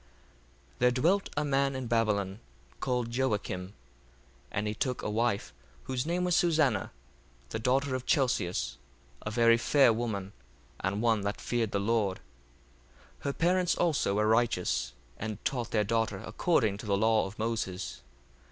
1:1 There dwelt a man in Babylon, called Joacim: 1:2 And he took a wife, whose name was Susanna, the daughter of Chelcias, a very fair woman, and one that feared the Lord. 1:3 Her parents also were righteous, and taught their daughter according to the law of Moses.